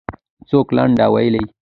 څوک لنډۍ وویلې؟